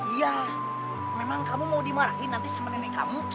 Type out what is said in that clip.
ya memang kamu mau dimarahin nanti sama nenek kamu